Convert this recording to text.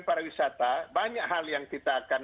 para wisata banyak hal yang kita akan